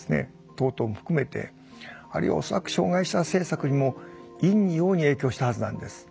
等々も含めてあるいは恐らく障害者政策にも陰に陽に影響したはずなんです。